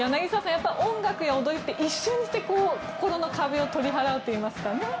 やっぱり音楽や踊りって一瞬にして心の壁を取り払うといいますかね。